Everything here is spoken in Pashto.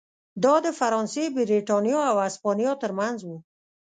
دا د فرانسې، برېټانیا او هسپانیا ترمنځ و.